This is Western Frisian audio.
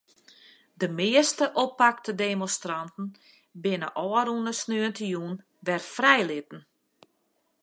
De measte oppakte demonstranten binne ôfrûne saterdeitejûn wer frijlitten.